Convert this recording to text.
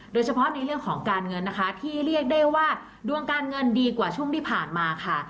โดยเฉพาะในเรื่องของการเงินนะคะที่เรียกได้ว่าดวงการเงินดีกว่าช่วงที่ผ่านมาค่ะ